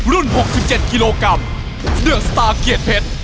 รุ่นหกสิบเจ็ดกิโลกรัมเดือดสตาร์เกียรติเพชร